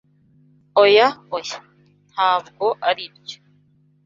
Oya, oya! Ntabwo aribyo.